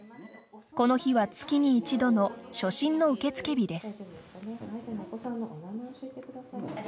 この日は、月に一度の初診の受付日です。